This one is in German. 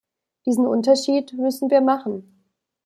Diesen Unterschied müssen wir machen.